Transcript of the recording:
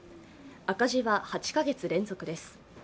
赤字は８カ月連続です。